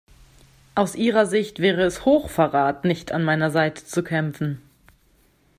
Aus ihrer Sicht wäre es Hochverrat nicht an meiner Seite zu kämpfen.